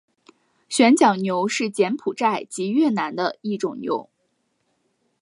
旋角牛是柬埔寨及越南的一种牛。